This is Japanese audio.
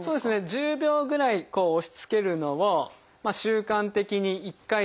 １０秒ぐらい押しつけるのを習慣的に１回とか２回。